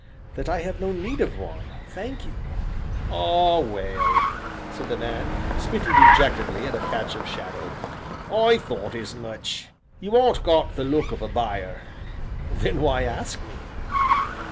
"That I have no need of one, thank you." "Ah, well!" said the man, spitting dejectedly at a patch of shadow, "I thought as much; you aren't got the look of a buyer." "Then why ask me?"